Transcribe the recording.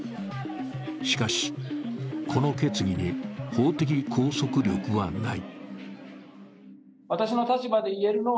しかしこの決議に法的拘束力はない。